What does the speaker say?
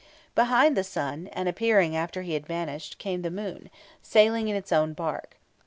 Behind the sun, and appearing after he had vanished, came the moon, sailing in its own bark.